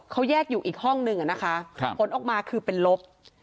เขาแยกอยู่อีกห้องนึงอะนะคะผลออกมาคือเป็นลบ